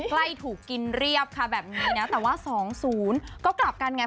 ใกล้ถูกกินเรียบค่ะแบบนี้นะแต่ว่า๒๐ก็กลับกันไง